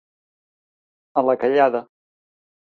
A la callada.